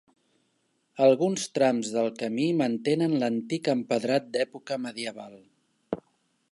Alguns trams del camí mantenen l'antic empedrat d'època medieval.